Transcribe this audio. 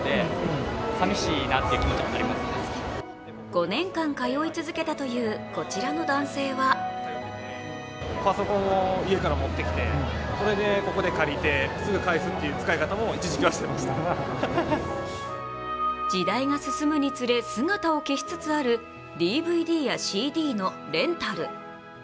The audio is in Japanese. ５年間通い続けたという、こちらの男性は時代が進むにつれ姿を消しつつあるＤＶＤやＣＤのレンタル。